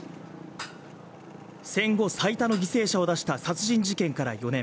戦後最多の犠牲者を出した殺人事件から４年。